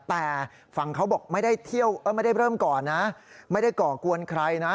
แต่ฝั่งเขาบอกไม่ได้เที่ยวไม่ได้เริ่มก่อนนะไม่ได้ก่อกวนใครนะ